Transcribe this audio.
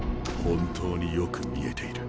本当によく見えている。